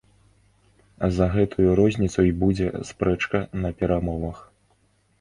За гэтую розніцу і будзе спрэчка на перамовах.